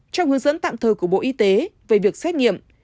trong hướng dẫn tạm thời của bộ y tế về việc xét nghiệm